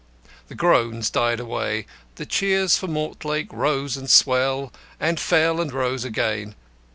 The groans died away; the cheers for Mortlake rose and swelled and fell and rose again.